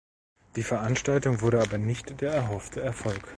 Die Veranstaltung wurde aber nicht der erhoffte Erfolg.